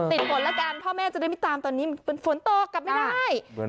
ติดฝนแล้วกันพ่อแม่จะได้ไม่ตามตอนนี้ฝนตกกลับไม่ได้